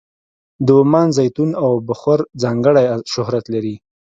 د عمان زیتون او بخور ځانګړی شهرت لري.